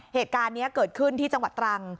เหตุการณ์นี้เกิดขึ้นที่จังหวัดตรัง